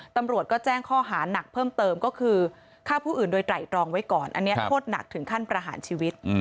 ตำรวจก็แจ้งข้อหาหนักเพิ่มเติมก็คือฆ่าผู้อื่นโดยไตรตรองไว้ก่อนอันนี้โทษหนักถึงขั้นประหารชีวิต